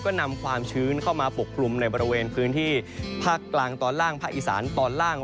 ก็นำความชื้นเข้ามาปกกลุ่มในบริเวณพื้นที่ภาคกลางตอนล่างภาคอีสานตอนล่าง